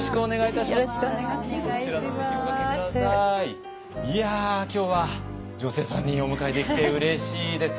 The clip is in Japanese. いや今日は女性３人お迎えできてうれしいです。